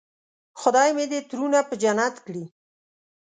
خدای مې دې ترونه په جنت کړي.